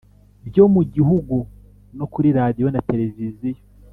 byo mu gihugu no kuri radio na televiziyo